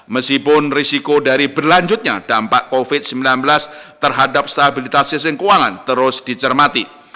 meskipun risiko dari berlanjutnya dampak covid sembilan belas terhadap stabilitas sistem keuangan terus dicermati